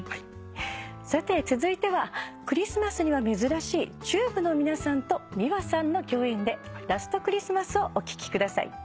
さて続いてはクリスマスには珍しいＴＵＢＥの皆さんとｍｉｗａさんの共演で『ＬａｓｔＣｈｒｉｓｔｍａｓ』をお聴きください。